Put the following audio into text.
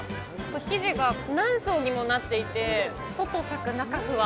生地が何層にもなっていて、外さく、中ふわ。